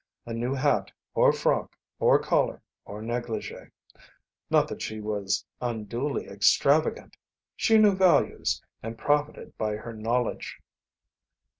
A new hat, or frock, or collar, or negligée. Not that she was unduly extravagant. She knew values, and profited by her knowledge.